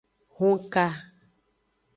Hunka.